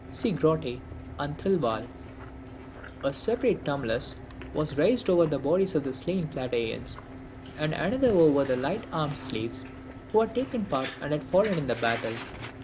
See Grote and Thirlwall.] A separate tumulus was raised over the bodies of the slain Plataeans, and another over the light armed slaves who had taken part and had fallen in the battle.